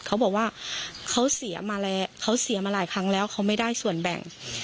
เขาบอกว่าเขาเสียมาแล้วเขาเสียมาหลายครั้งแล้วเขาไม่ได้ส่วนแบ่ง